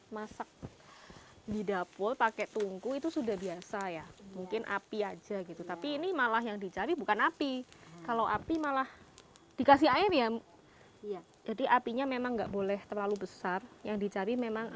masak di dapur